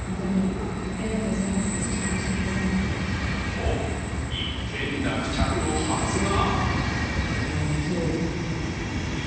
と一件落着のはずが。